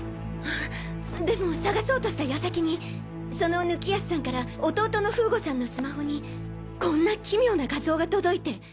あでも捜そうとした矢先にその貫康さんから弟の風悟さんのスマホにこんな奇妙な画像が届いて。